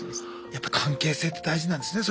やっぱ関係性って大事なんですね